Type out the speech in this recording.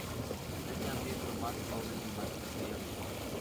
Es la miembro más joven y más pequeña del grupo.